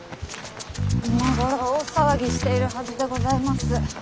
今頃大騒ぎしているはずでございます。